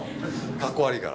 かっこ悪いから。